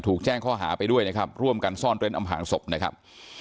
แจ้งข้อหาไปด้วยนะครับร่วมกันซ่อนเร้นอำพางศพนะครับ